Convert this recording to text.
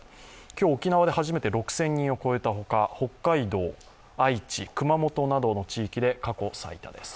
今日沖縄で初めて６０００人を超えたほか北海道、愛知、熊本などの地域で過去最多です。